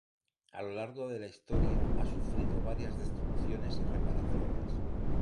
A lo largo de la historia ha sufrido varias destrucciones y reparaciones.